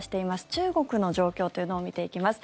中国の状況というのを見ていきます。